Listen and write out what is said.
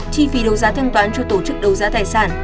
chi phí đấu giá thanh toán cho tổ chức đấu giá tài sản